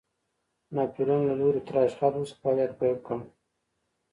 ناپلیون له لوري تر اشغال وروسته فعالیت پیل کړ.